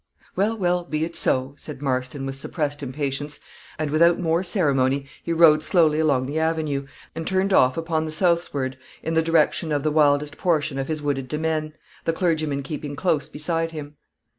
"Well, well, be it so," said Marston, with suppressed impatience, and without more ceremony, he rode slowly along the avenue, and turned off upon the soft sward in the direction of the wildest portion of his wooded demesne, the clergyman keeping close beside him.